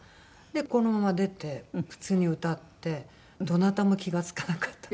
でこのまま出て普通に歌ってどなたも気が付かなかった。